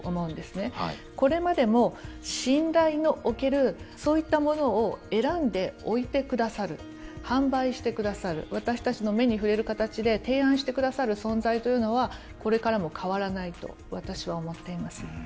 これまでも信頼のおけるそういったものを選んで置いてくださる販売してくださる私たちの目に触れる形で提案してくださる存在というのはこれからも変わらないと私は思っています。